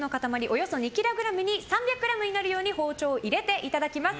およそ２ｋｇに３００ｇになるよう包丁を入れていただきます。